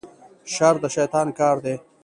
شر د شیطان کار دی